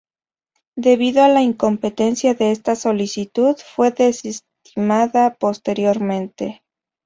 Debido a la incompetencia de esta solicitud, fue desestimada posteriormente.